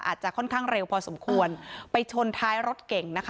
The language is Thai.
อาจจะค่อนข้างเร็วพอสมควรไปชนท้ายรถเก่งนะคะ